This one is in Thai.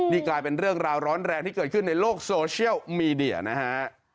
นี่กลายเป็นเรื่องราวร้อนแรงที่เกิดขึ้นในโลกโซเชียลมีเดียนะฮะ